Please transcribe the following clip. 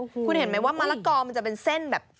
คุณเห็นมั้ยว่ามะละกอจะเป็นเส้นแบบ